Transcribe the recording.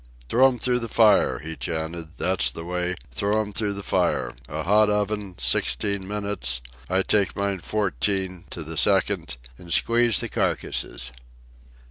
"Throw 'em through the fire," he chanted. "That's the way—throw 'em through the fire—a hot oven, sixteen minutes—I take mine fourteen, to the second—an' squeeze the carcasses."